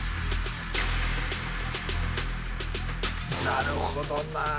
なるほどなあ。